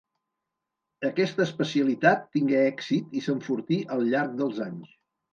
Aquesta especialitat tingué èxit i s'enfortí al llarg dels anys.